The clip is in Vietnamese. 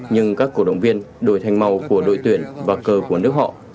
nhưng các cổ động viên đổi thành màu của đội tuyển và cờ của nước họ